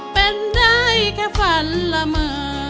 เป็นได้แค่ฝันละเมอ